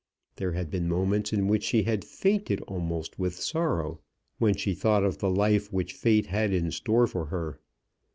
There had been moments in which she had fainted almost with sorrow when she thought of the life which fate had in store for her.